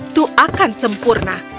itu akan sempurna